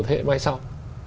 thế hệ mai sau